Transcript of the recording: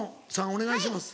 お願いします。